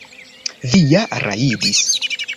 Vi ja rajdis!